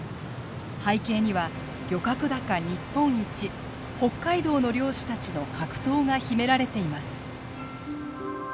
背景には漁獲高日本一北海道の漁師たちの格闘が秘められています。